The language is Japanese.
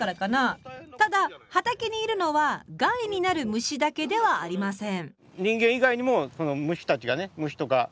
ただ畑にいるのは害になる虫だけではありません。